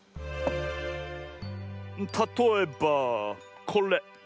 たとえばこれ！